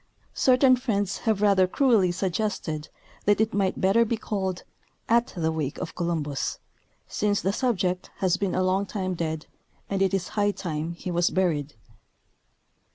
Certain friends have rather cruelly suggested that it might better be called ^^At the wake of Columbus," since the subject has been a long time dead, and it is high time he was buried.